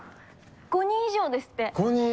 ５人以上ですって。